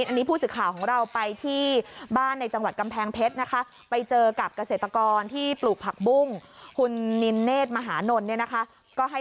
อันนี้ผู้สื่อข่าวของเราไปที่บ้านในจังหวัดกำแพงเพชรนะคะ